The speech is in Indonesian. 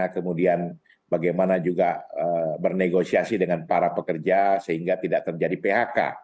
kemudian bagaimana juga bernegosiasi dengan para pekerja sehingga tidak terjadi phk